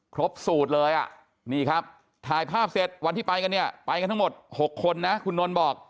ครบสูตรเลยอ่ะนี่ครับถ่ายภาพเสร็จวันที่ไปกันเนี่ยไปกันทั้งหมด๖คนนะคุณนนท์บอก